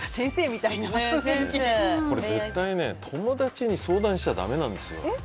絶対、友達に相談したらだめなんですよ。